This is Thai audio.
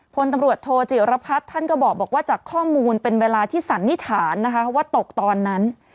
พลตำรวจโทจิรพัฒน์ท่านก็บอกว่าจากข้อมูลเป็นเวลาที่สันนิษฐานนะคะว่าตกตอนนั้น